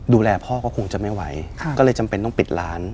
ดูแลพ่อก็คงจะไม่ไหวก็เลยจำเป็นต้องปิดร้าน